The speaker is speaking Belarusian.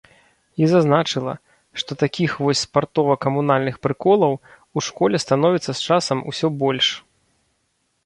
І зазначыла, што такіх вось спартова-камунальных прыколаў у школе становіцца з часам усё больш.